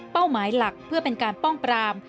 หมายหลักเพื่อเป็นการป้องปราม